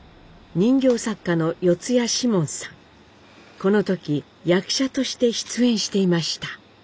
この時役者として出演していました。